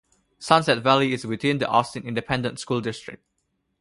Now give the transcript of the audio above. Sunset Valley is within the Austin Independent School District.